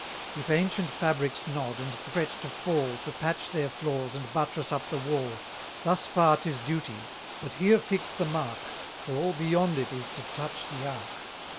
800 If ancient fabrics nod, and threat to fall, To patch their flaws, and buttress up the wall, Thus far 'tis duty: but here fix the mark; For all beyond it is to touch the ark.